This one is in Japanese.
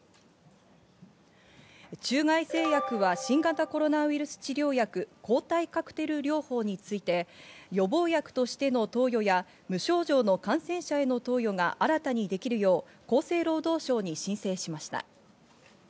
中外製薬は新型コロナウイルス治療薬・抗体カクテル療法について、予防薬としての投与や無症状の感染者への投与が新たにできるよう厚生労働省に申請しました。